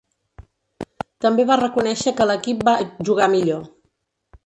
També va reconèixer que l'equip va "jugar millor".